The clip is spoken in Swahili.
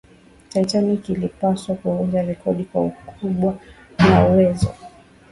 titanic ilipaswa kuvunja rekodi kwa ukubwa na uwezo